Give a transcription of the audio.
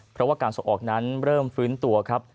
เพราะว่าการส่งออกนั้นเริ่มฟื้นตัวครับ